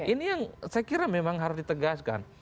ini yang saya kira memang harus ditegaskan